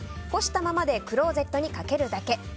干したままでクローゼットに掛けるだけ。